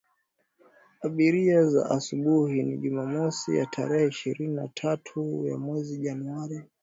abari za asubuhi ni jumamosi ya tarehe ishirini na tatu ya mwezi januari